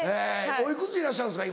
おいくつでいらっしゃるんですか。